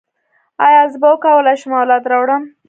ایا زه به وکولی شم اولاد راوړم؟